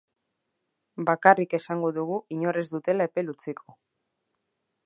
Bakarrik esango dugu inor ez dutela epel utziko.